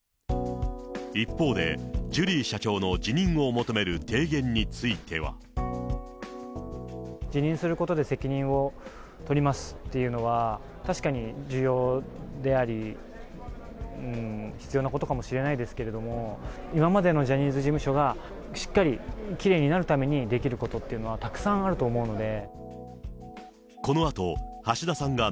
一方で、ジュリー社長の辞任を求める提言については。辞任することで責任を取りますというのは、確かに重要であり、必要なことかもしれないですけれども、今までのジャニーズ事務所がしっかりきれいになるためにできることっていうのはたくさんあると思うので。